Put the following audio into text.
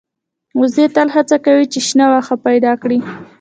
وزې تل هڅه کوي چې شنه واښه پیدا کړي